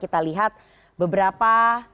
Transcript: kita lihat beberapa